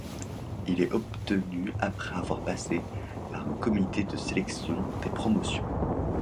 Il est obtenu après avoir passé par un comité de sélection des promotions.